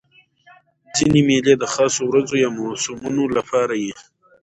ځیني مېلې د خاصو ورځو یا موسمونو له پاره يي.